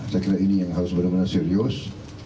saya kira ini yang harus benar benar serius